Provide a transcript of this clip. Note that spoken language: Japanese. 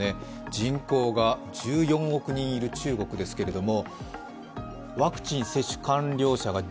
人口が１４億人いる中国ですけれども。